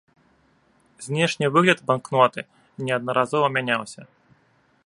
Знешні выгляд банкноты неаднаразова мяняўся.